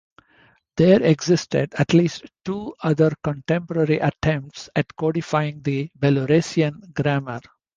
There existed at least two other contemporary attempts at codifying the Belarusian grammar.